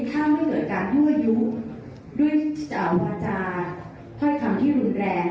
แต่ตำรวจก็บอกว่าที่มาแถลงแล้วเอาคลิปมาให้ดูไม่ได้หมายความว่าจะสื่อสารไปยังประชาชนว่าฝ่ายใดผิดฝ่ายใดถูกมากกว่ากัน